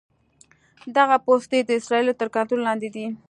دغه پوستې د اسرائیلو تر کنټرول لاندې دي.